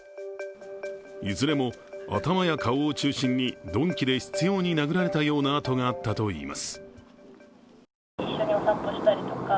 いずれも頭や顔を中心中心に鈍器で執ように殴られたような跡があったといいます。